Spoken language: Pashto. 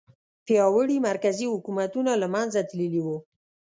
پیاوړي مرکزي حکومتونه له منځه تللي وو.